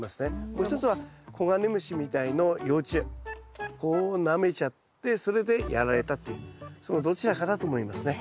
もう一つはこうなめちゃってそれでやられたっていうそのどちらかだと思いますね。